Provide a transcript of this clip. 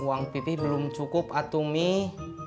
uang pipih belum cukup atuh mih